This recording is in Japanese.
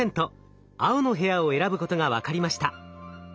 青の部屋を選ぶことが分かりました。